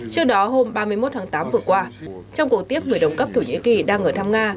trước đó hôm ba mươi một tháng tám vừa qua trong cuộc tiếp người đồng cấp thổ nhĩ kỳ đang ở thăm nga